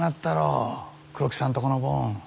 黒木さんとこのボン。